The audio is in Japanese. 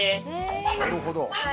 なるほど。